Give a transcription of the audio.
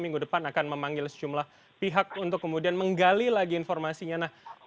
minggu depan akan memanggil sejumlah pihak untuk kemudian menggali lagi informasinya